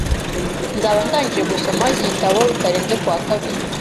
Nzaba ndangije gusoma iki gitabo bitarenze kuwa kabiri